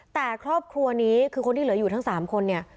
แต่ครอบครัวนี้คือคนที่เหลืออยู่ทั้ง๓คนเนี่ย